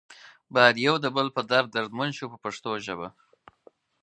باید یو د بل په درد دردمند شو په پښتو ژبه.